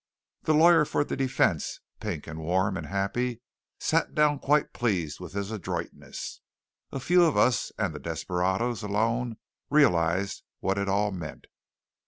The lawyer for the defence, pink and warm and happy, sat down quite pleased with his adroitness. A few of us, and the desperadoes, alone realized what it all meant.